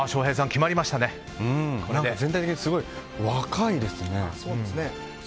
全体的にすごい若いですね。